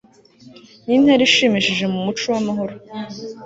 ni intera ishimishije mu muco w'amahoro